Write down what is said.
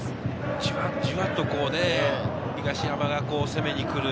じわじわと東山が攻めに来る。